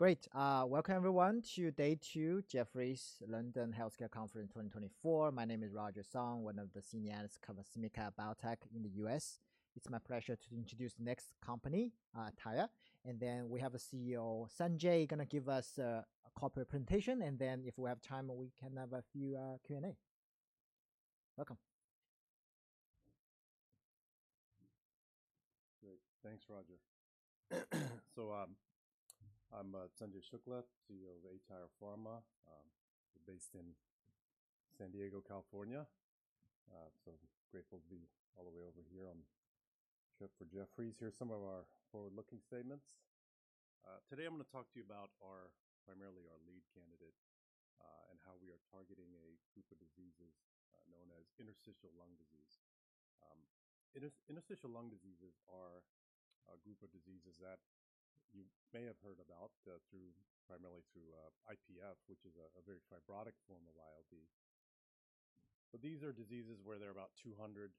All right. Great. Welcome, everyone, to Day 2, Jefferies London Healthcare Conference 2024. My name is Roger Song, one of the senior analysts covering small/mid-cap biotech in the US. It's my pleasure to introduce the next company, aTyr. And then we have a CEO, Sanjay, going to give us a corporate presentation. And then if we have time, we can have a few Q&A. Welcome. Great. Thanks, Roger. So I'm Sanjay Shukla, CEO of aTyr Pharma. We're based in San Diego, California. So I'm grateful to be all the way over here on the trip for Jefferies. Here are some of our forward-looking statements. Today I'm going to talk to you about primarily our lead candidate and how we are targeting a group of diseases known as interstitial lung disease. Interstitial lung diseases are a group of diseases that you may have heard about primarily through IPF, which is a very fibrotic form of ILD. But these are diseases where there are about 200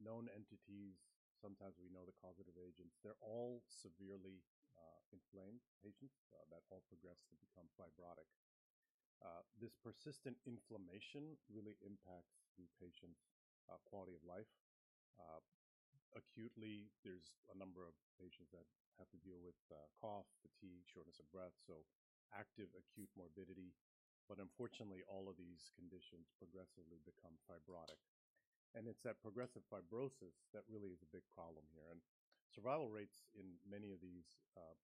known entities. Sometimes we know the causative agents. They're all severely inflamed patients that all progress to become fibrotic. This persistent inflammation really impacts the patient's quality of life. Acutely, there's a number of patients that have to deal with cough, fatigue, shortness of breath. So active acute morbidity. But unfortunately, all of these conditions progressively become fibrotic. And it's that progressive fibrosis that really is a big problem here. And survival rates in many of these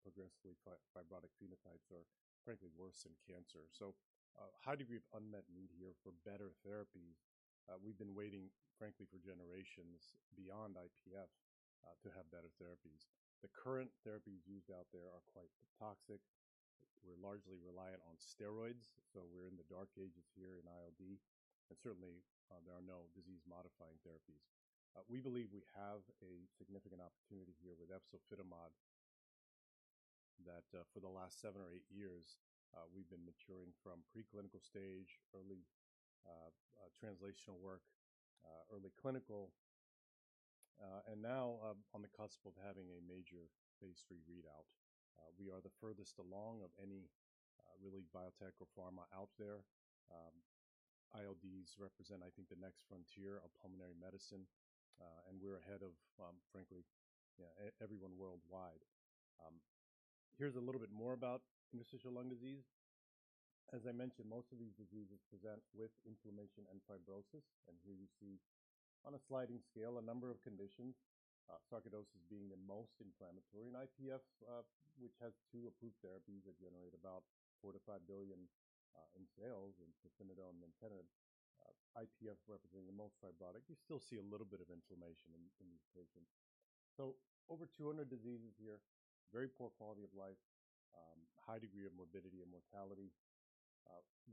progressively fibrotic phenotypes are, frankly, worse than cancer. So a high degree of unmet need here for better therapies. We've been waiting, frankly, for generations beyond IPF to have better therapies. The current therapies used out there are quite toxic. We're largely reliant on steroids. So we're in the dark ages here in ILD. And certainly, there are no disease-modifying therapies. We believe we have a significant opportunity here with efzofitimod that for the last seven or eight years, we've been maturing from preclinical stage, early translational work, early clinical, and now on the cusp of having a major phase 3 readout. We are the furthest along of any really biotech or pharma out there. ILDs represent, I think, the next frontier of pulmonary medicine. And we're ahead of, frankly, everyone worldwide. Here's a little bit more about interstitial lung disease. As I mentioned, most of these diseases present with inflammation and fibrosis. And here you see, on a sliding scale, a number of conditions, sarcoidosis being the most inflammatory in IPF, which has two approved therapies that generate about $4 billion-$5 billion in sales in pirfenidone and nintedanib. IPF representing the most fibrotic. You still see a little bit of inflammation in these patients. So over 200 diseases here, very poor quality of life, high degree of morbidity and mortality.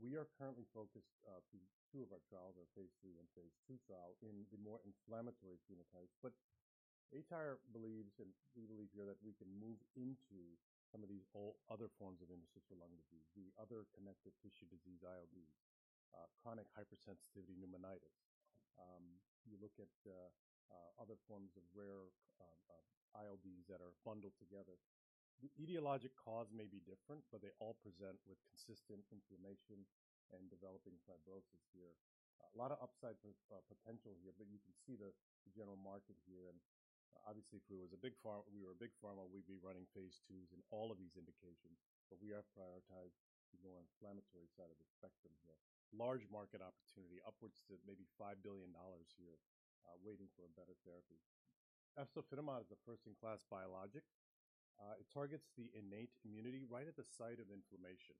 We are currently focused through two of our trials, our phase three and phase two trial, in the more inflammatory phenotypes. But aTyr believes, and we believe here that we can move into some of these other forms of interstitial lung disease, the other connective tissue disease, ILDs, chronic hypersensitivity pneumonitis. You look at other forms of rare ILDs that are bundled together. The etiologic cause may be different, but they all present with consistent inflammation and developing fibrosis here. A lot of upside potential here, but you can see the general market here. Obviously, if we were a big pharma, we'd be running phase twos in all of these indications. But we are prioritized to the more inflammatory side of the spectrum here. Large market opportunity, upwards to maybe $5 billion here, waiting for a better therapy. Efzofitimod is a first-in-class biologic. It targets the innate immunity right at the site of inflammation.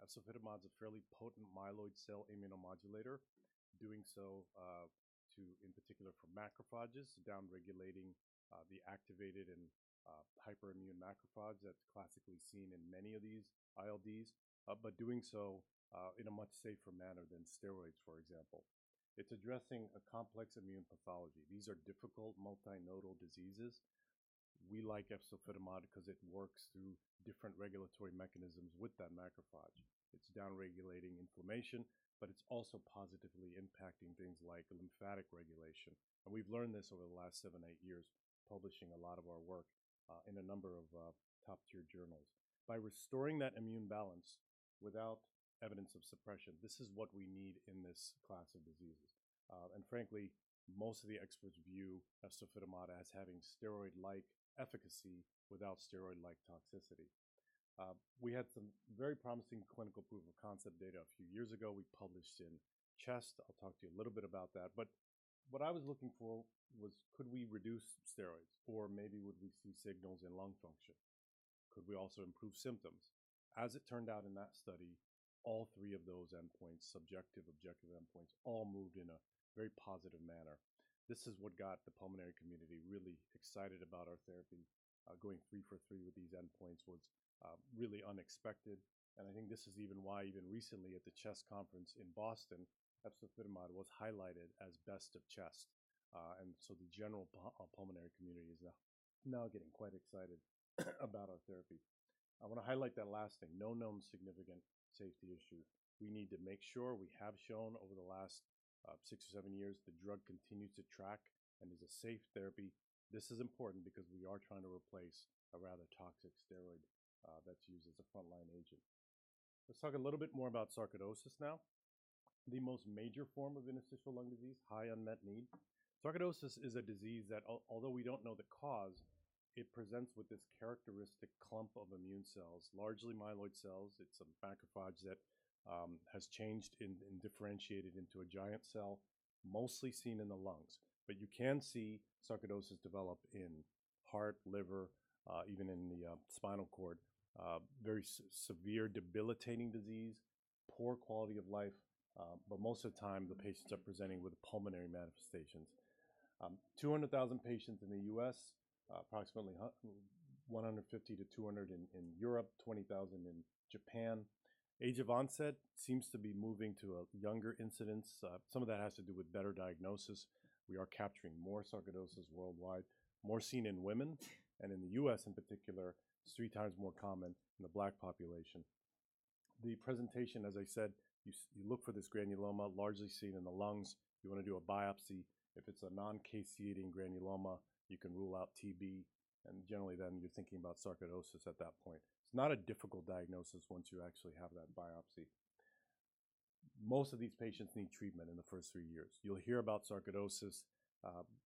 efzofitimod is a fairly potent myeloid cell immunomodulator, doing so in particular for macrophages, downregulating the activated and hyperimmune macrophages that's classically seen in many of these ILDs, but doing so in a much safer manner than steroids, for example. It's addressing a complex immune pathology. These are difficult multinodal diseases. We like efzofitimod because it works through different regulatory mechanisms with that macrophage. It's downregulating inflammation, but it's also positively impacting things like lymphatic regulation. And we've learned this over the last seven, eight years, publishing a lot of our work in a number of top-tier journals. By restoring that immune balance without evidence of suppression, this is what we need in this class of diseases. And frankly, most of the experts view efzofitimod as having steroid-like efficacy without steroid-like toxicity. We had some very promising clinical proof of concept data a few years ago. We published in CHEST. I'll talk to you a little bit about that, but what I was looking for was, could we reduce steroids? Or maybe would we see signals in lung function? Could we also improve symptoms? As it turned out in that study, all three of those endpoints, subjective, objective endpoints, all moved in a very positive manner. This is what got the pulmonary community really excited about our therapy. Going three for three with these endpoints was really unexpected, and I think this is even why, even recently, at the CHEST conference in Boston, Efzofitimod was highlighted as Best of CHEST, and so the general pulmonary community is now getting quite excited about our therapy. I want to highlight that last thing. No known significant safety issues. We need to make sure we have shown over the last six or seven years the drug continues to track and is a safe therapy. This is important because we are trying to replace a rather toxic steroid that's used as a frontline agent. Let's talk a little bit more about sarcoidosis now, the most major form of interstitial lung disease, high unmet need. Sarcoidosis is a disease that, although we don't know the cause, it presents with this characteristic clump of immune cells, largely myeloid cells. It's a macrophage that has changed and differentiated into a giant cell, mostly seen in the lungs. But you can see sarcoidosis develop in heart, liver, even in the spinal cord. Very severe, debilitating disease, poor quality of life. But most of the time, the patients are presenting with pulmonary manifestations. 200,000 patients in the U.S., approximately 150 to 200 in Europe, 20,000 in Japan. Age of onset seems to be moving to a younger incidence. Some of that has to do with better diagnosis. We are capturing more sarcoidosis worldwide, more seen in women, and in the U.S., in particular, it's three times more common in the Black population. The presentation, as I said, you look for this granuloma largely seen in the lungs. You want to do a biopsy. If it's a non-caseating granuloma, you can rule out TB, and generally, then you're thinking about sarcoidosis at that point. It's not a difficult diagnosis once you actually have that biopsy. Most of these patients need treatment in the first three years. You'll hear about sarcoidosis.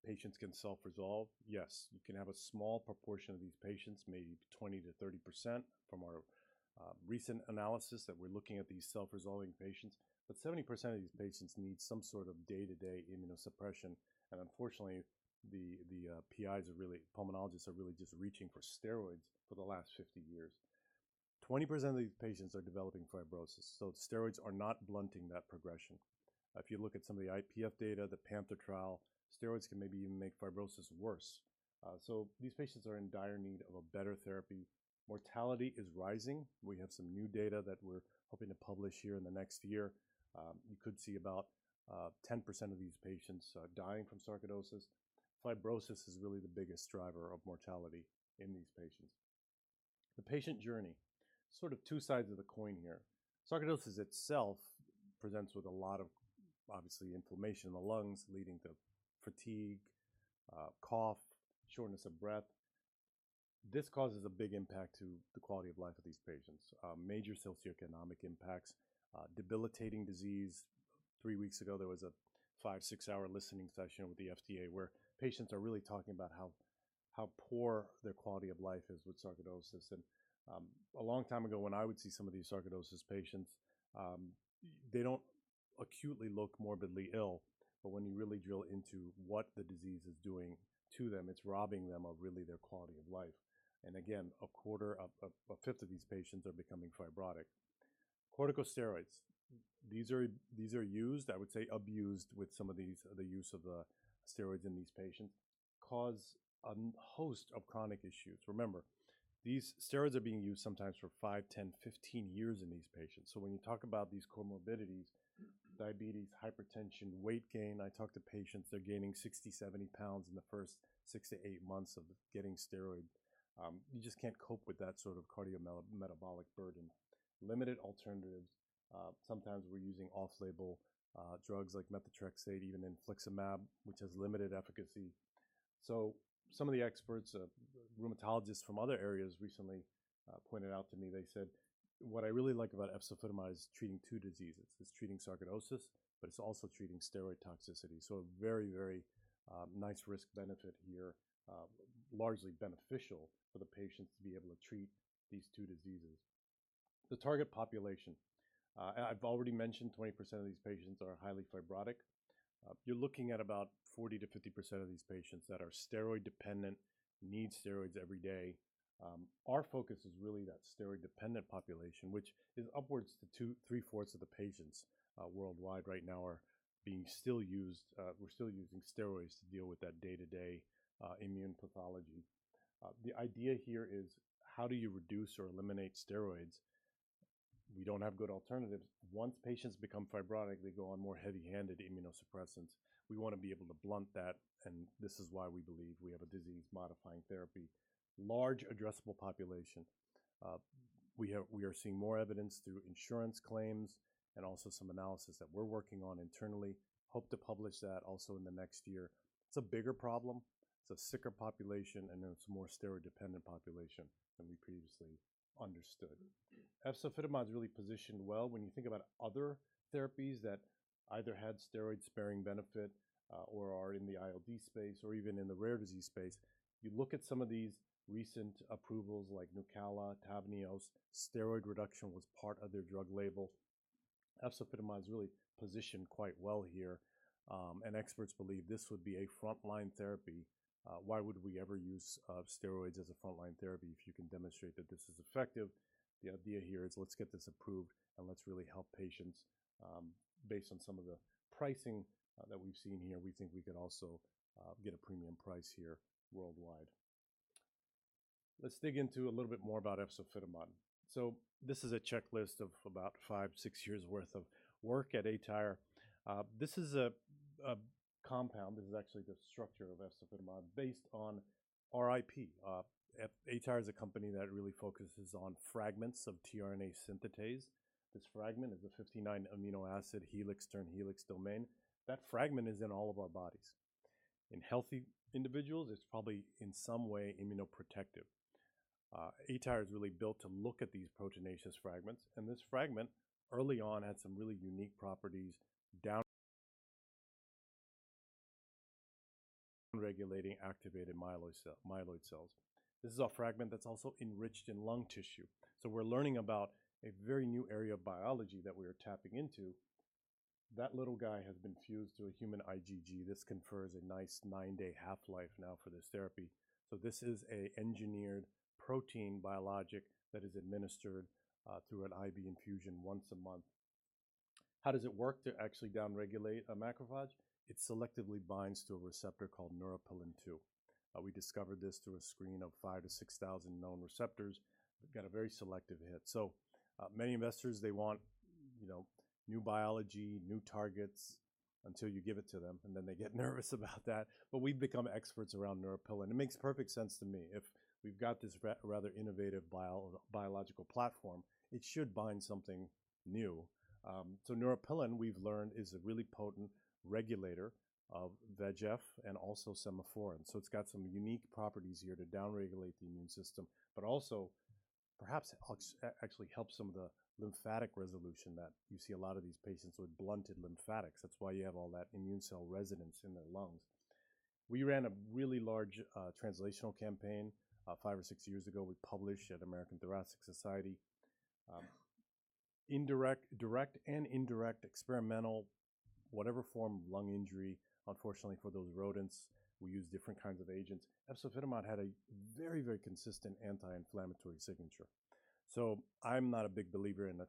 Patients can self-resolve. Yes, you can have a small proportion of these patients, maybe 20-30% from our recent analysis that we're looking at these self-resolving patients. But 70% of these patients need some sort of day-to-day immunosuppression. And unfortunately, the PIs, really pulmonologists, are really just reaching for steroids for the last 50 years. 20% of these patients are developing fibrosis. So steroids are not blunting that progression. If you look at some of the IPF data, the Panther trial, steroids can maybe even make fibrosis worse. So these patients are in dire need of a better therapy. Mortality is rising. We have some new data that we're hoping to publish here in the next year. You could see about 10% of these patients dying from sarcoidosis. Fibrosis is really the biggest driver of mortality in these patients. The patient journey, sort of two sides of the coin here. Sarcoidosis itself presents with a lot of, obviously, inflammation in the lungs, leading to fatigue, cough, shortness of breath. This causes a big impact to the quality of life of these patients. Major socioeconomic impacts, debilitating disease. Three weeks ago, there was a five- or six-hour listening session with the FDA where patients are really talking about how poor their quality of life is with sarcoidosis, and a long time ago, when I would see some of these sarcoidosis patients, they don't acutely look morbidly ill. But when you really drill into what the disease is doing to them, it's robbing them of really their quality of life, and again, a quarter, a fifth of these patients are becoming fibrotic. Corticosteroids, these are used, I would say abused with some of the use of the steroids in these patients, cause a host of chronic issues. Remember, these steroids are being used sometimes for five, 10, 15 years in these patients. So when you talk about these comorbidities, diabetes, hypertension, weight gain, I talk to patients, they're gaining 60, 70 pounds in the first six to eight months of getting steroids. You just can't cope with that sort of cardiometabolic burden. Limited alternatives. Sometimes we're using off-label drugs like methotrexate, even infliximab, which has limited efficacy. So some of the experts, rheumatologists from other areas, recently pointed out to me, they said, "What I really like about Efzofitimod is treating two diseases. It's treating sarcoidosis, but it's also treating steroid toxicity." So a very, very nice risk-benefit here, largely beneficial for the patients to be able to treat these two diseases. The target population. I've already mentioned 20% of these patients are highly fibrotic. You're looking at about 40%-50% of these patients that are steroid dependent, need steroids every day. Our focus is really that steroid dependent population, which is upwards to three-fourths of the patients worldwide right now are still being used. We're still using steroids to deal with that day-to-day immune pathology. The idea here is, how do you reduce or eliminate steroids? We don't have good alternatives. Once patients become fibrotic, they go on more heavy-handed immunosuppressants. We want to be able to blunt that. And this is why we believe we have a disease-modifying therapy. Large addressable population. We are seeing more evidence through insurance claims and also some analysis that we're working on internally. Hope to publish that also in the next year. It's a bigger problem. It's a sicker population, and it's a more steroid dependent population than we previously understood. Efzofitimod is really positioned well. When you think about other therapies that either had steroid-sparing benefit or are in the ILD space or even in the rare disease space, you look at some of these recent approvals like Nucala, Tavneos, steroid reduction was part of their drug label. Efzofitimod is really positioned quite well here, and experts believe this would be a frontline therapy. Why would we ever use steroids as a frontline therapy if you can demonstrate that this is effective? The idea here is, let's get this approved and let's really help patients. Based on some of the pricing that we've seen here, we think we could also get a premium price here worldwide. Let's dig into a little bit more about efzofitimod. So this is a checklist of about five, six years' worth of work at aTyr. This is a compound. This is actually the structure of efzofitimod based on RIP. aTyr is a company that really focuses on fragments of tRNA synthetase. This fragment is a 59 amino acid helix-turn-helix domain. That fragment is in all of our bodies. In healthy individuals, it's probably in some way immunoprotective. aTyr is really built to look at these proteinaceous fragments. And this fragment early on had some really unique properties downregulating activated myeloid cells. This is a fragment that's also enriched in lung tissue. So we're learning about a very new area of biology that we are tapping into. That little guy has been fused to a human IgG. This confers a nice nine-day half-life now for this therapy. This is an engineered protein biologic that is administered through an IV infusion once a month. How does it work to actually downregulate a macrophage? It selectively binds to a receptor called Neuropilin-2. We discovered this through a screen of five to six thousand known receptors. It got a very selective hit. So many investors, they want new biology, new targets until you give it to them. And then they get nervous about that. But we've become experts around Neuropilin-2. It makes perfect sense to me. If we've got this rather innovative biological platform, it should bind something new. So Neuropilin-2, we've learned, is a really potent regulator of VEGF and also Semaphorin. So it's got some unique properties here to downregulate the immune system, but also perhaps actually help some of the lymphatic resolution that you see a lot of these patients with blunted lymphatics. That's why you have all that immune cell residence in their lungs. We ran a really large translational campaign five or six years ago. We published at American Thoracic Society. Direct and indirect experimental, whatever form of lung injury, unfortunately for those rodents, we use different kinds of agents. Efzofitimod had a very, very consistent anti-inflammatory signature. So I'm not a big believer in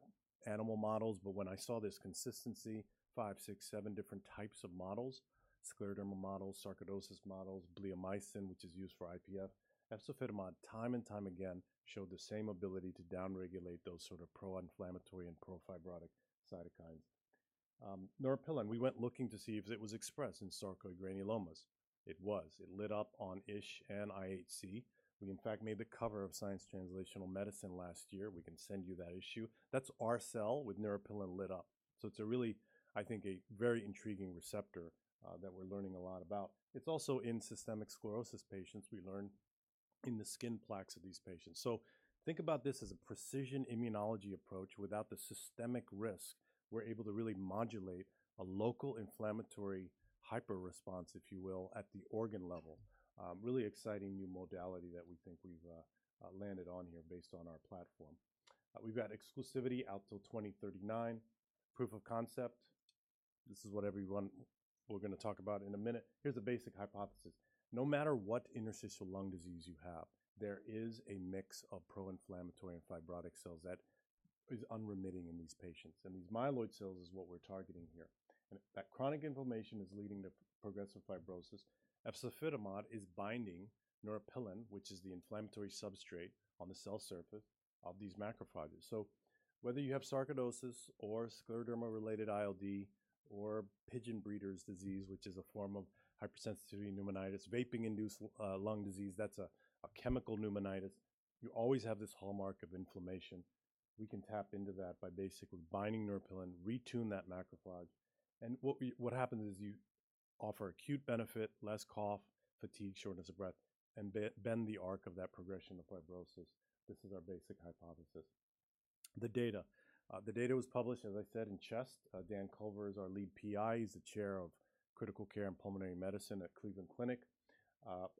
animal models. But when I saw this consistency, five, six, seven different types of models, scleroderma models, sarcoidosis models, bleomycin, which is used for IPF, Efzofitimod time and time again showed the same ability to downregulate those sort of pro-inflammatory and pro-fibrotic cytokines. Neuropilin, we went looking to see if it was expressed in sarcoid granulomas. It was. It lit up on ISH and IHC. We, in fact, made the cover of Science Translational Medicine last year. We can send you that issue. That's our cell with Neuropilin lit up. So it's a really, I think, a very intriguing receptor that we're learning a lot about. It's also in systemic sclerosis patients. We learned in the skin plaques of these patients. So think about this as a precision immunology approach. Without the systemic risk, we're able to really modulate a local inflammatory hyper-response, if you will, at the organ level. Really exciting new modality that we think we've landed on here based on our platform. We've got exclusivity out till 2039. Proof of concept. This is what we're going to talk about in a minute. Here's a basic hypothesis. No matter what interstitial lung disease you have, there is a mix of pro-inflammatory and fibrotic cells that is unremitting in these patients. And these myeloid cells is what we're targeting here. And that chronic inflammation is leading to progressive fibrosis. Efzofitimod is binding Neuropilin, which is the inflammatory substrate on the cell surface of these macrophages. So whether you have sarcoidosis or scleroderma-related ILD or pigeon breeder's disease, which is a form of hypersensitivity pneumonitis, vaping-induced lung disease, that's a chemical pneumonitis, you always have this hallmark of inflammation. We can tap into that by basically binding Neuropilin, retune that macrophage. And what happens is you offer acute benefit, less cough, fatigue, shortness of breath, and bend the arc of that progression of fibrosis. This is our basic hypothesis. The data. The data was published, as I said, in CHEST. Dan Culver is our lead PI. He's the Chair of Critical Care and Pulmonary Medicine at Cleveland Clinic.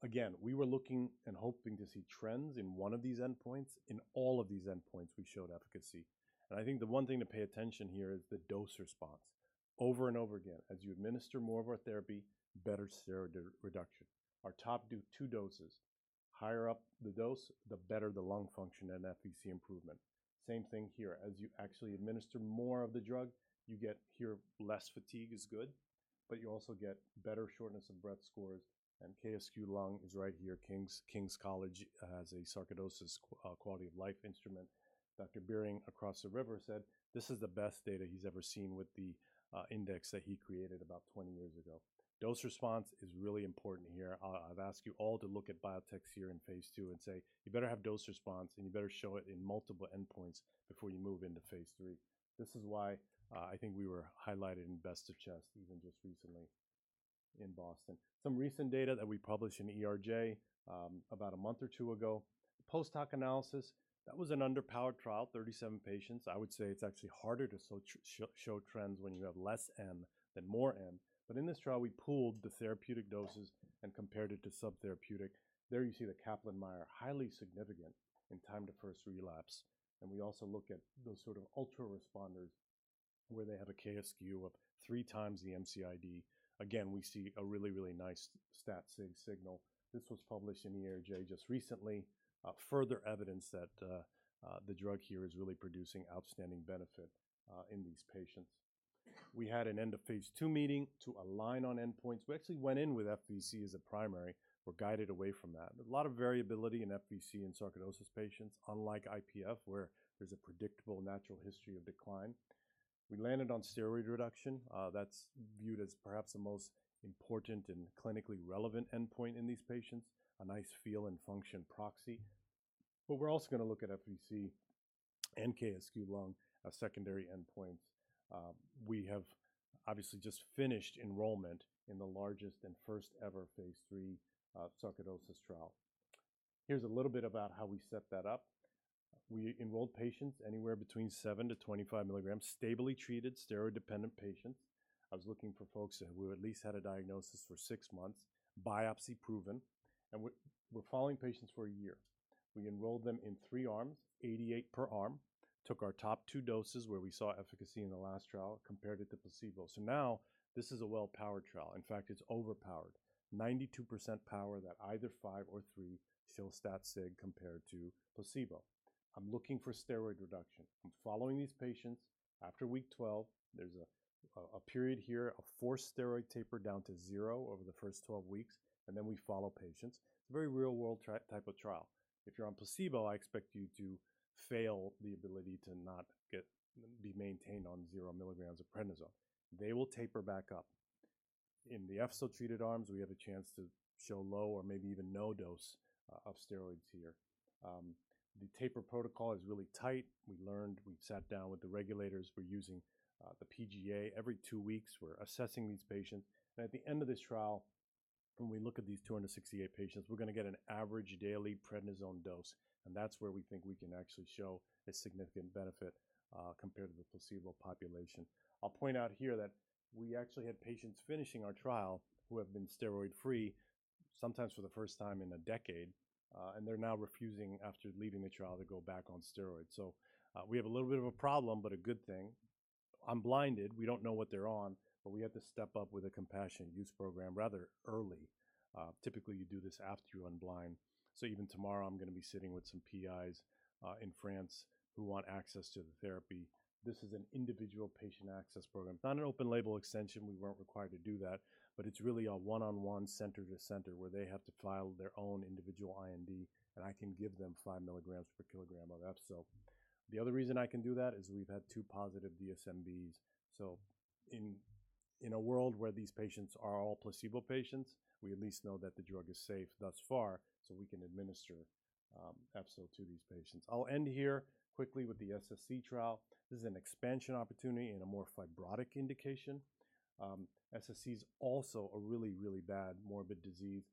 Again, we were looking and hoping to see trends in one of these endpoints. In all of these endpoints, we showed efficacy. And I think the one thing to pay attention here is the dose response. Over and over again, as you administer more of our therapy, better steroid reduction. Our top two doses, higher up the dose, the better the lung function and efficacy improvement. Same thing here. As you actually administer more of the drug, you get here less fatigue is good, but you also get better shortness of breath scores. And KSQ Lung is right here. King's College has a sarcoidosis quality of life instrument. Dr. Birring across the river said this is the best data he's ever seen with the index that he created about 20 years ago. Dose response is really important here. I've asked you all to look at biotechs here in phase two and say, "You better have dose response, and you better show it in multiple endpoints before you move into phase three." This is why I think we were highlighted in Best of CHEST even just recently in Boston. Some recent data that we published in ERJ about a month or two ago. Post hoc analysis, that was an underpowered trial, 37 patients. I would say it's actually harder to show trends when you have less M than more M. But in this trial, we pooled the therapeutic doses and compared it to subtherapeutic. There you see the Kaplan-Meier highly significant in time to first relapse. And we also look at those sort of ultra responders where they have a KSQ of three times the MCID. Again, we see a really, really nice stat signal. This was published in ERJ just recently. Further evidence that the drug here is really producing outstanding benefit in these patients. We had an end of phase 2 meeting to align on endpoints. We actually went in with FVC as a primary. We're guided away from that. A lot of variability in FVC in sarcoidosis patients, unlike IPF, where there's a predictable natural history of decline. We landed on steroid reduction. That's viewed as perhaps the most important and clinically relevant endpoint in these patients, a nice feel and function proxy. But we're also going to look at FVC and KSQ lung as secondary endpoints. We have obviously just finished enrollment in the largest and first ever phase 3 sarcoidosis trial. Here's a little bit about how we set that up. We enrolled patients anywhere between seven to 25 milligrams, stably treated steroid dependent patients. I was looking for folks who at least had a diagnosis for six months, biopsy proven, and we're following patients for a year. We enrolled them in three arms, 88 per arm, took our top two doses where we saw efficacy in the last trial, compared it to placebo, so now this is a well-powered trial. In fact, it's overpowered. 92% power that either five or three still stat sig compared to placebo. I'm looking for steroid reduction. I'm following these patients. After week 12, there's a period here of four-week steroid taper down to zero over the first 12 weeks, and then we follow patients. It's a very real-world type of trial. If you're on placebo, I expect you to fail the ability to not be maintained on zero milligrams of prednisone. They will taper back up. In the efzofitimod-treated arms, we have a chance to show low or maybe even no dose of steroids here. The taper protocol is really tight. We learned, we sat down with the regulators. We're using the PGA every two weeks. We're assessing these patients, and at the end of this trial, when we look at these 268 patients, we're going to get an average daily prednisone dose, and that's where we think we can actually show a significant benefit compared to the placebo population. I'll point out here that we actually had patients finishing our trial who have been steroid free sometimes for the first time in a decade, and they're now refusing after leaving the trial to go back on steroids, so we have a little bit of a problem, but a good thing. I'm blinded. We don't know what they're on, but we have to step up with a compassionate use program rather early. Typically, you do this after you unblind, so even tomorrow, I'm going to be sitting with some PIs in France who want access to the therapy. This is an individual patient access program. It's not an open label extension. We weren't required to do that, but it's really a one-on-one center-to-center where they have to file their own individual IND, and I can give them five milligrams per kilogram of efzofitimod. The other reason I can do that is we've had two positive DSMBs. So in a world where these patients are all placebo patients, we at least know that the drug is safe thus far, so we can administer efzofitimod to these patients. I'll end here quickly with the SSc trial. This is an expansion opportunity in a more fibrotic indication. SSc is also a really, really bad morbid disease,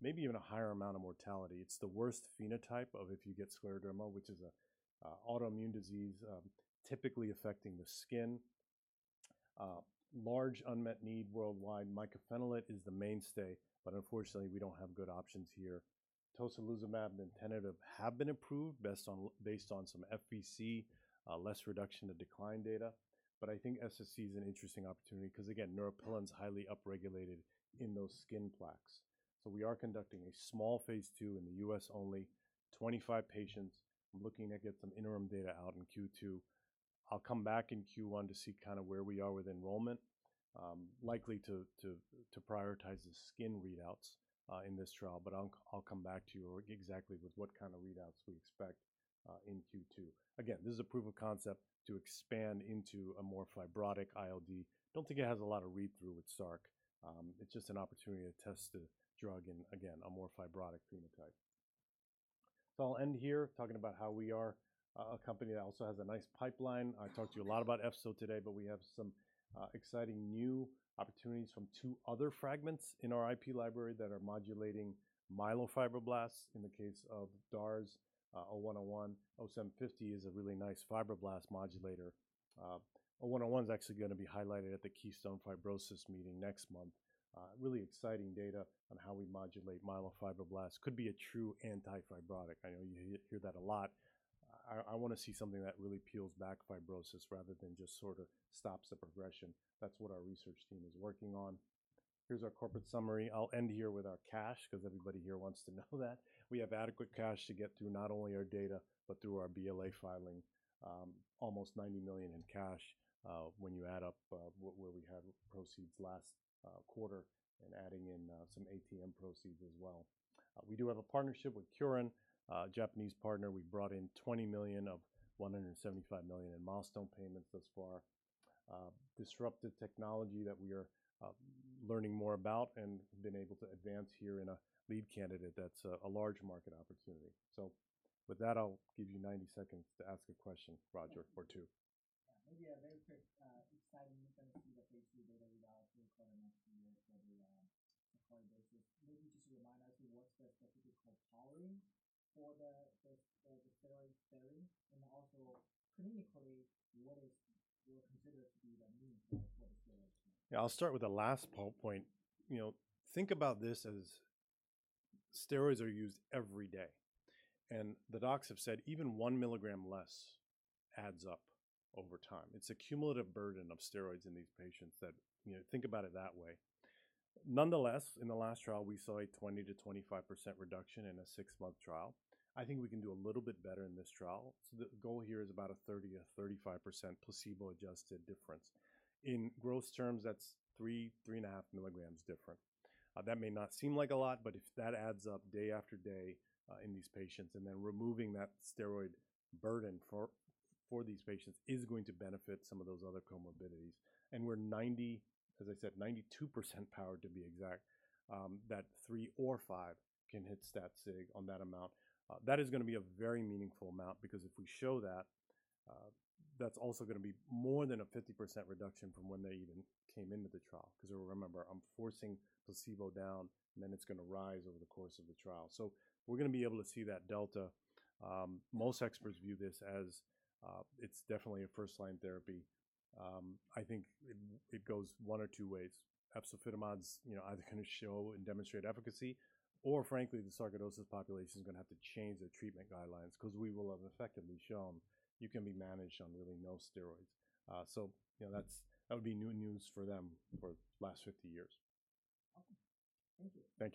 maybe even a higher amount of mortality. It's the worst phenotype of if you get scleroderma, which is an autoimmune disease typically affecting the skin. Large unmet need worldwide. Mycophenolate is the mainstay, but unfortunately, we don't have good options here. Tocilizumab and nintedanib have been approved based on some FVC less reduction to decline data. But I think SSc is an interesting opportunity because, again, neuropilin is highly upregulated in those skin plaques. So we are conducting a small phase 2 in the U.S. only, 25 patients. I'm looking to get some interim data out in Q2. I'll come back in Q1 to see kind of where we are with enrollment, likely to prioritize the skin readouts in this trial. But I'll come back to you exactly with what kind of readouts we expect in Q2. Again, this is a proof of concept to expand into a more fibrotic ILD. I don't think it has a lot of read-through with SARC. It's just an opportunity to test the drug in, again, a more fibrotic phenotype. So I'll end here talking about how we are a company that also has a nice pipeline. I talked to you a lot about efzofitimod today, but we have some exciting new opportunities from two other fragments in our IP library that are modulating myofibroblasts in the case of DARS ATYR0101. ATYR0750 is a really nice fibroblast modulator. ATYR0101 is actually going to be highlighted at the Keystone Fibrosis meeting next month. Really exciting data on how we modulate myofibroblasts. Could be a true anti-fibrotic. I know you hear that a lot. I want to see something that really peels back fibrosis rather than just sort of stops the progression. That's what our research team is working on. Here's our corporate summary. I'll end here with our cash because everybody here wants to know that. We have adequate cash to get through not only our data, but through our BLA filing, almost $90 million in cash when you add up where we had proceeds last quarter and adding in some ATM proceeds as well. We do have a partnership with Kyorin, a Japanese partner. We brought in $20 million of $175 million in milestone payments thus far. Disruptive technology that we are learning more about and been able to advance here in a lead candidate that's a large market opportunity. So with that, I'll give you 90 seconds to ask a question, Roger or two. Maybe a very quick exciting news that we see data readouts expected next year for the sarcoidosis. Maybe just to remind us, what's the specific co-primary for the steroid sparing? And also clinically, what is considered to be the meaning for the steroid sparing? Yeah, I'll start with the last point. Think about this as steroids are used every day. And the docs have said even one milligram less adds up over time. It's a cumulative burden of steroids in these patients that think about it that way. Nonetheless, in the last trial, we saw a 20%-25% reduction in a six-month trial. I think we can do a little bit better in this trial. The goal here is about a 30%-35% placebo-adjusted difference. In gross terms, that's three, three and a half milligrams different. That may not seem like a lot, but if that adds up day after day in these patients, and then removing that steroid burden for these patients is going to benefit some of those other comorbidities. We're 90%, as I said, 92% power to be exact, that three or five can hit stat sig on that amount. That is going to be a very meaningful amount because if we show that, that's also going to be more than a 50% reduction from when they even came into the trial. Because remember, I'm forcing placebo down, and then it's going to rise over the course of the trial. So we're going to be able to see that delta. Most experts view this as it's definitely a first-line therapy. I think it goes one or two ways. is either going to show and demonstrate efficacy, or frankly, the sarcoidosis population is going to have to change their treatment guidelines because we will have effectively shown you can be managed on really no steroids. So that would be new news for them for the last 50 years. Thank you. Thank you.